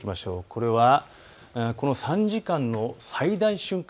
これはこの３時間の最大瞬間